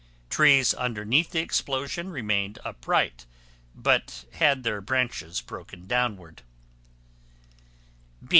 Trees underneath the explosion remained upright but had their branches broken downward.